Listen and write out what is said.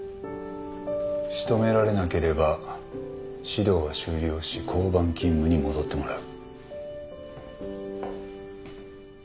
仕留められなければ指導は終了し交番勤務に戻ってもらう。